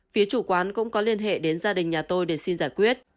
phía chủ quán cũng có liên hệ đến gia đình nhà tôi để xin giải quyết